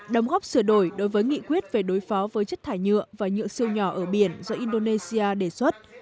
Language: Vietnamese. đồng góp sửa đổi đối với nghị quyết về đối phó với chất thải nhựa và nhựa siêu nhỏ ở biển do indonesia đề xuất